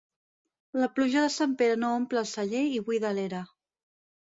La pluja de Sant Pere no omple el celler i buida l'era.